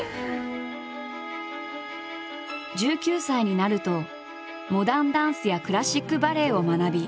１９歳になるとモダンダンスやクラシックバレエを学び